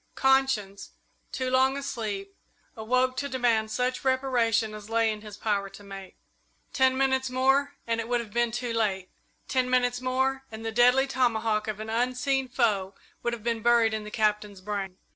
Conscience, too long asleep, awoke to demand such reparation as lay in his power to make. Ten minutes more and it would have been too late. Ten minutes more and the deadly tomahawk of an unseen foe would have been buried in the Captain's brain.